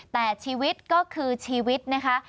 แต่ชีวิตก็คือชีวิตนะคะ